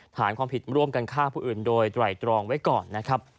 ฐานความผิดร่วมกันฆ่าผู้อื่นโดยไตรตรองไว้ก่อนนะครับ